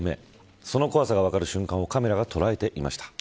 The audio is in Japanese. その怖さが分かる瞬間をカメラが捉えていました。